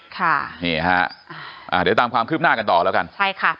ค่ะนี่ฮะอ่าเดี๋ยวตามความคืบหน้ากันต่อแล้วกันใช่ค่ะ